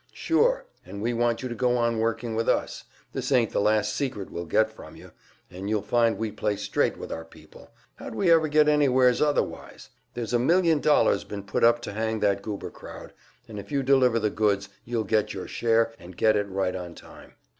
"Sure, and we want you to go on working for us. This ain't the last secret we'll get from you, and you'll find we play straight with our people how'd we ever get anywheres otherwise? There's a million dollars been put up to hang that Goober crowd, and if you deliver the goods, you'll get your share, and get it right on time."